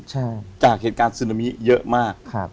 จากเหตุการณ์ซึนามีเยอะมาก